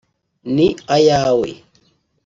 ni iyawe